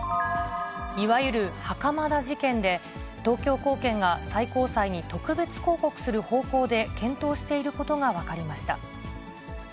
いわゆる袴田事件で、東京高検が最高裁に特別抗告する方向で検討していることが分かりました。